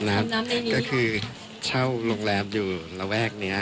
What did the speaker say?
ไม่แพ้ผู้ประมูล๒วันเต็ม